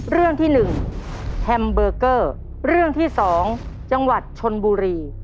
เรื่องที่๑แฮมเบอร์เกอร์เรื่องที่๒จังหวัดชนบุรี